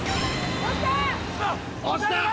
・押した！